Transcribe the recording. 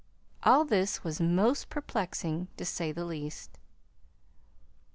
All this was most perplexing, to say the least.